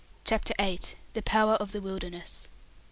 CHAPTER VIII. THE POWER OF THE WILDERNESS.